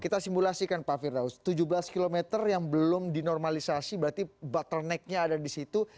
kita simulasikan pak firdaus tujuh belas km yang belum dinormalisasi berarti bottlenecknya ada di situ